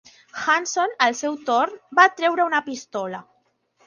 Hanson, al seu torn, va treure una pistola.